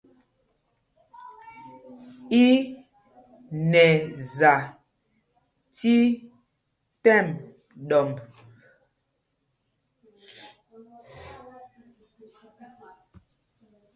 I nɛ za tí tɛ́m ɗɔmb.